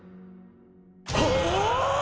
はあ！？